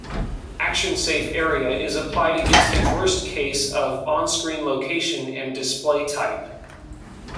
Action-safe area is applied against a worst case of on-screen location and display type.